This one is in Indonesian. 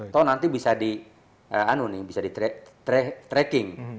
atau nanti bisa di tracking